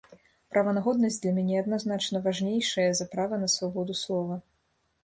Права на годнасць для мяне адназначна важнейшае за права на свабоду слова.